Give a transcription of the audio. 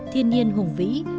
thiên nhiên hùng vĩ